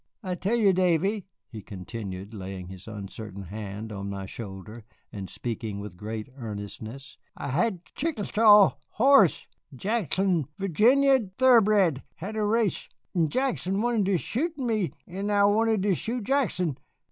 I'll tell you, Davy," he continued, laying an uncertain hand on my shoulder and speaking with great earnestness, "I had Chicashaw horse Jackson'd Virginia thoroughbred had a race 'n'Jackson wanted to shoot me 'n'I wanted to shoot Jackson.